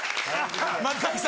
松崎さん